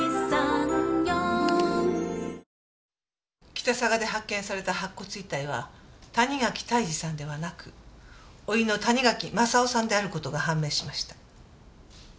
北嵯峨で発見された白骨遺体は谷垣泰治さんではなく甥の谷垣正雄さんである事が判明しました。